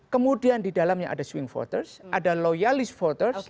kemudian di dalamnya ada swing voters ada loyalis voters